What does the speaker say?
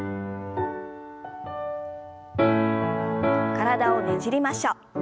体をねじりましょう。